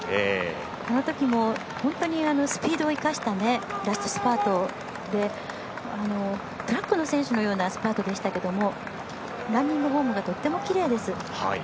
あのときもスピードを生かしたラストスパートでトラックの選手のようなスパートでしたがランニングフォームがとてもきれいです。